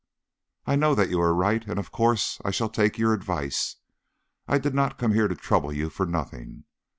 "I know that you are right, and of course I shall take your advice. I did not come here to trouble you for nothing.